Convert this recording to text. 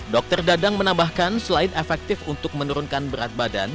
dokter dadang menambahkan selain efektif untuk menurunkan berat badan